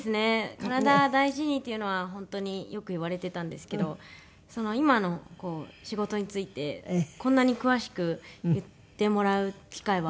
「体大事に」っていうのは本当によく言われてたんですけど今の仕事についてこんなに詳しく言ってもらう機会はあんまり。